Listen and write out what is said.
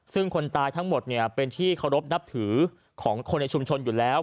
ซึ่งคนตายทั้งหมดเป็นที่เคารพนับถือของคนในชุมชนอยู่แล้ว